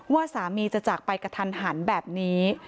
ว่าสามีจะจากไปกระทันหันแบบนี้